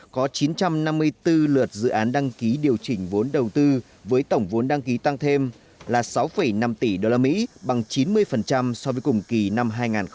có chín trăm năm mươi bốn lượt dự án đăng ký điều chỉnh vốn đầu tư với tổng vốn đăng ký tăng thêm là sáu năm tỷ usd bằng chín mươi so với cùng kỳ năm hai nghìn một mươi tám